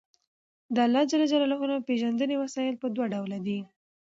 د اللَّهِ ج پيژندنې وسايل په دوه ډوله دي